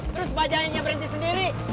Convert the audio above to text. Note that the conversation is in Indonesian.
terus bajainya berhenti sendiri